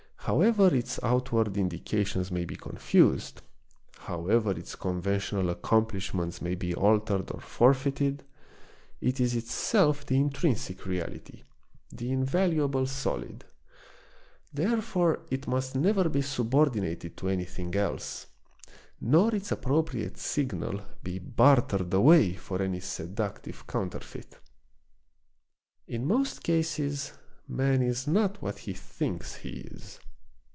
However its outward indications may be confused, how ever its conventional accompaniments may be altered or forfeited, it is itself the intrinsic reality, the invalu able solid. Therefore it must never be subordinated to anything else, nor its appropriate signal be bartered away for any seductive counterfeit. In most cases man is not what he thinks he is.